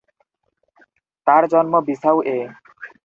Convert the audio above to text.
তাঁর জন্ম বিসাউ এ।